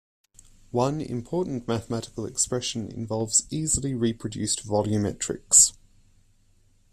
One important mathematical expression involves easily reproduced volumetrics.